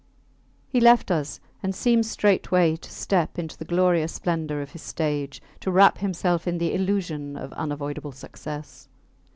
He left us, and seemed straightway to step into the glorious splendour of his stage, to wrap himself in the illusion of unavoidable success.